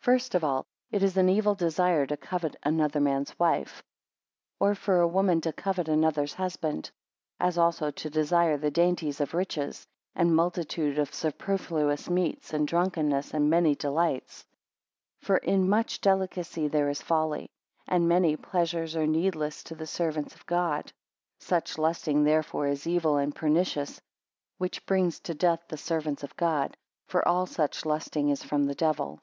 4 First of all, it is an evil desire to covet another man's wife, or for a woman to covet another's husband; as also to desire the dainties of riches; and multitude of superfluous meats; and drunkenness; and many delights. 5 For in much delicacy there is folly; and many pleasures are needless to the servants of God. Such lusting therefore is evil and pernicious, which brings to death the servants of God. For all such lusting is from the devil.